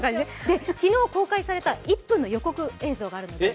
昨日公開された１分の予告映像があるんです。